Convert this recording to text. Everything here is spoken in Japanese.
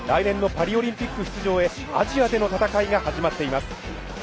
来年のパリオリンピック出場へアジアでの戦いが始まっています。